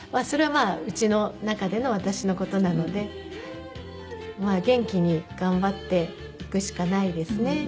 それはうちの中での私の事なので元気に頑張っていくしかないですね。